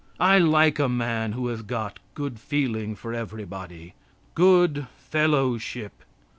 I like a man who has got good feeling for everybody good fellowship.